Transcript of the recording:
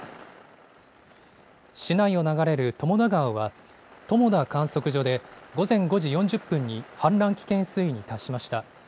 市内を流れる友田川は、友田観測所で午前５時４０分に氾濫危険水位に達しました。